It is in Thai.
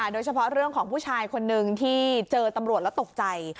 โดยเฉพาะเรื่องของผู้ชายคนนึงที่เจอตำรวจแล้วตกใจ